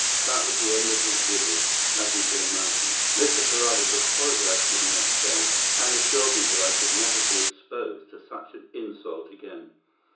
That was the end of his visit, as you can imagine. Mr. Carruthers apologized to me next day, and assured me that I should never be exposed to such an insult again.